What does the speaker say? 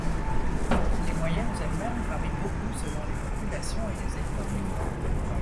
Les moyennes elles-mêmes varient beaucoup selon les populations et les époques.